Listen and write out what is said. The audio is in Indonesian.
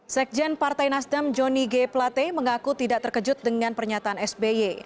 sekjen partai nasdem joni g plate mengaku tidak terkejut dengan pernyataan sby